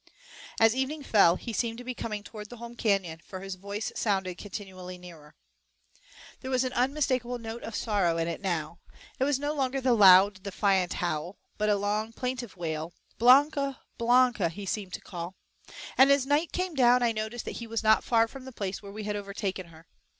As evening fell he seemed to be coming toward the home canyon, for his voice sounded continually nearer. There was an unmistakable note of sorrow in it now. It was no longer the loud, defiant howl, but a long, plaintive wail; "Blanca! Blanca!" he seemed to call. And as night came down, I noticed that he was not far from the place where we had overtaken her.